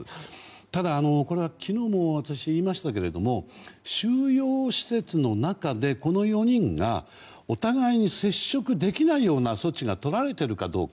ただ、昨日も言いましたが収容施設の中でこの４人がお互いに接触できない措置がとられているかどうか。